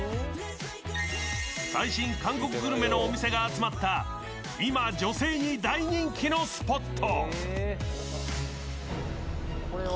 最新韓国グルメのお店が集まった今、女性に大人気のスポット。